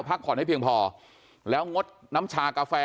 พักผ่อนให้เพียงพอแล้วงดน้ำชากาแฟ